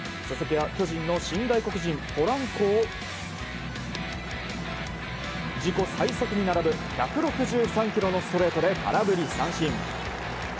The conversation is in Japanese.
佐々木は巨人の新外国人ポランコを自己最速に並ぶ１６３キロのストレートで空振り三振。